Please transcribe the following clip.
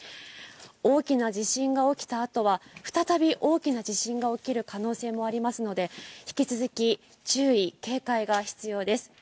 大きな地震が起きた後は再び大きな地震が起きる可能性もありますので、引き続き注意、警戒が必要です。